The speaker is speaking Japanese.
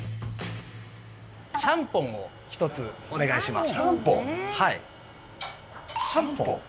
ちゃんぽんを１つお願いします。